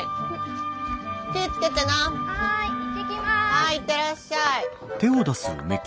はい行ってらっしゃい。